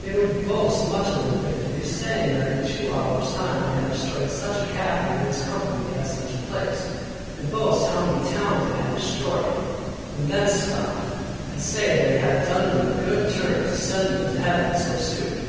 They would boast much of their victories; saying that in two hours time they had destroyed such a captain and his company at such a place; and boast how many towns they had destroyed, and then scoff, and say they had done them a good turn to send them to Heaven so soon.